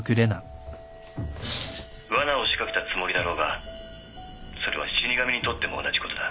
わなを仕掛けたつもりだろうがそれは死神にとっても同じことだ。